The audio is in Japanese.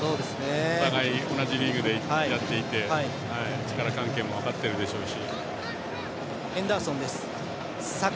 お互い、同じリーグでやっていて力関係も分かっているでしょうし。